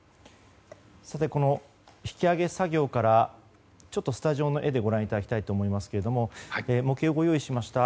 この引き揚げ作業からスタジオの絵でご覧いただきたいと思いますが模型をご用意しました。